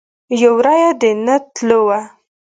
یو رایه د نه تلو وه.